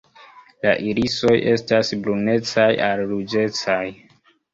La irisoj estas brunecaj al ruĝecaj.